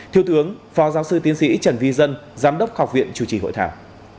thiếu tướng phó giáo sư tiến sĩ trần vi dân giám đốc học viện chủ trì hội thảo